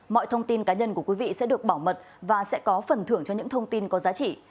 mọi thông tin cá nhân của quý vị sẽ được bảo mật và sẽ có phần thưởng cho những thông tin có giá trị